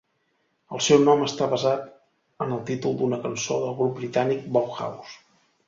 El seu nom està basat en el títol d'una cançó del grup britànic Bauhaus.